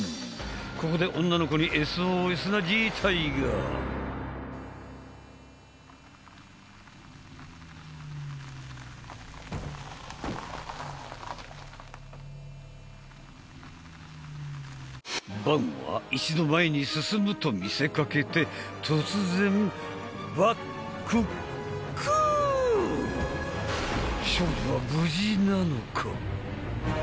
ここで女の子にＳＯＳな事態がバンは一度前に進むと見せかけて突然バックくっ少女は無事なのか？